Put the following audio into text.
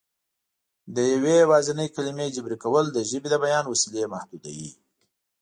د یوې یوازینۍ کلمې جبري کول د ژبې د بیان وسیلې محدودوي